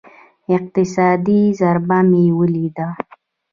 اقتصادي ضربه مې وليده.